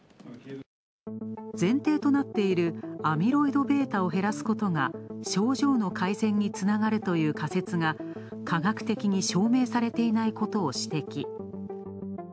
前提となっているアミロイドベータを減らすことが症状の改善につながるという仮説が科学的に証明されていないことを指摘。